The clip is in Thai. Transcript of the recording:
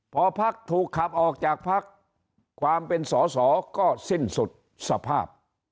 พอพักถูกขับออกจากพักความเป็นสอสอก็สิ้นสุดสภาพ